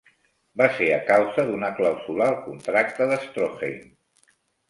Va ser a causa d'una clàusula al contracte d'Stroheim.